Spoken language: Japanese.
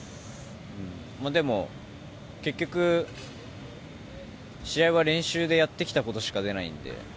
でも、結局試合は練習でやってきたことしか出ないので。